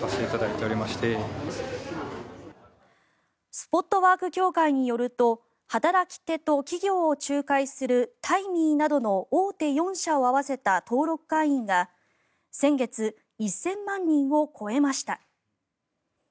スポットワーク協会によると働き手と企業を仲介するタイミーなどの大手４社を合わせた登録会員が先月１０００万人を超えました。